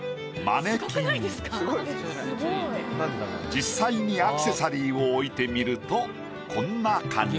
実際にアクセサリーを置いてみるとこんな感じ。